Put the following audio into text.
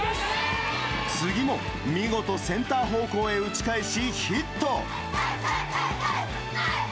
次も見事センター方向へ打ち返し、ヒット。